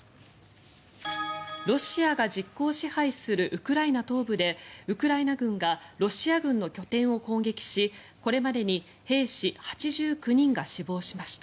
ロシアが実効支配するウクライナ東部でウクライナ軍がロシア軍の拠点を攻撃しこれまでに兵士８９人が死亡しました。